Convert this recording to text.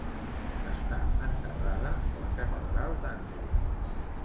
Està enterrada a la catedral d'Àndria.